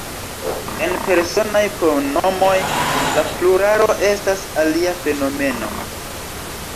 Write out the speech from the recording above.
En Personaj pronomoj, la pluralo estas alia fenomeno.